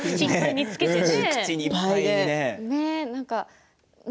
口いっぱいでね。